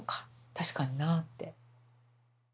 確かになって。